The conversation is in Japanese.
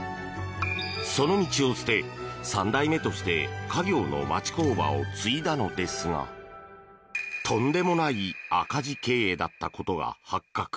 その道を捨て、３代目として家業の町工場を継いだのですがとんでもない赤字経営だったことが発覚。